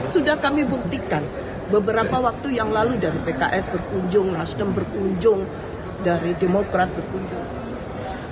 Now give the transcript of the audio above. sudah kami buktikan beberapa waktu yang lalu dari pks berkunjung nasdem berkunjung dari demokrat berkunjung